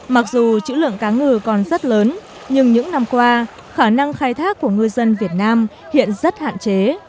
mặc dù chữ lượng cá ngừ còn rất lớn nhưng những năm qua khả năng khai thác của ngư dân việt nam hiện rất hạn chế